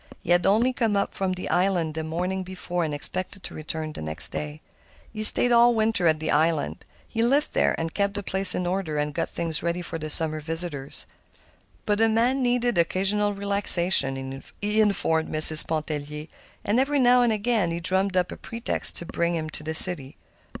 He had only come up from the island the morning before, and expected to return next day. He stayed all winter at the island; he lived there, and kept the place in order and got things ready for the summer visitors. But a man needed occasional relaxation, he informed Mrs. Pontellier, and every now and again he drummed up a pretext to bring him to the city.